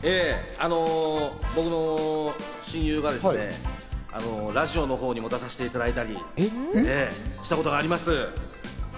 僕の親友がですね、ラジオのほうにも出させていただいたりしたことがあります。